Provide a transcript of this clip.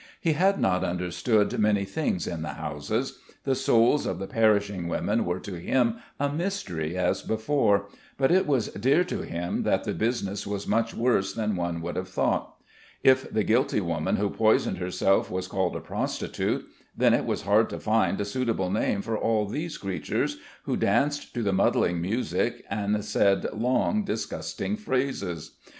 He had not understood many things in the houses. The souls of the perishing women were to him a mystery as before; but it was dear to him that the business was much worse than one would have thought. If the guilty woman who poisoned herself was called a prostitute, then it was hard to find a suitable name for all these creatures, who danced to the muddling music and said long, disgusting phrases.